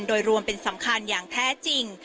โดยรวมเป็นสำคัญอย่างแท้จริง